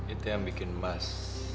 itu yang bikin mas